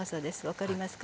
分かりますか？